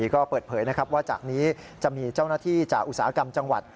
ก็เปิดเผยนะครับว่าจากนี้จะมีเจ้าหน้าที่จากอุตสาหกรรมจังหวัด